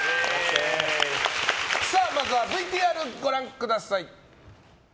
まずはＶＴＲご覧ください。